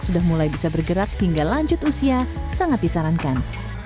sudah mulai bisa bergerak hingga lanjut usia sangat disarankan